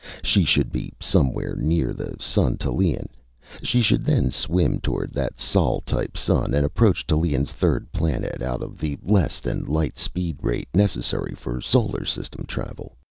She should be somewhere near the sun Tallien. She should then swim toward that sol type sun and approach Tallien's third planet out at the less than light speed rate necessary for solar system travel.